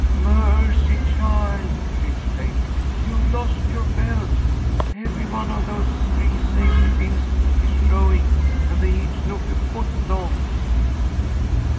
"Mercy, child!" she exclaimed. "You've lost your belt. Every one of those three safety pins is showing, and they each look a foot long!"